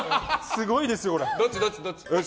すごいですよ、これ。